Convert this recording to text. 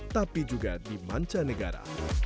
tapi juga di manca negara